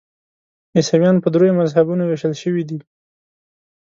عیسویان په دریو مذهبونو ویشل شوي دي.